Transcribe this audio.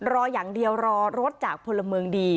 รออย่างเดียวรอรถจากพลเมืองดี